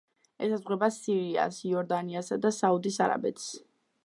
ესაზღვრება სირიას, იორდანიასა და საუდის არაბეთს.